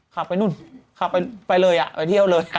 ขับไปนู่นขับไปเลยไปเที่ยวเลย